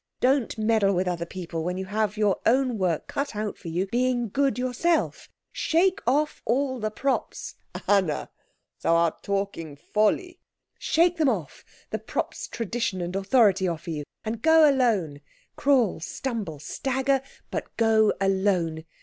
Don't meddle with other people when you have all your own work cut out for you being good yourself. Shake off all the props '" "Anna, thou art talking folly." "' shake them off, the props tradition and authority offer you, and go alone crawl, stumble, stagger, but go alone.